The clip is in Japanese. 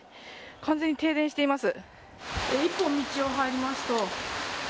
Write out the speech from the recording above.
完全に停電しています。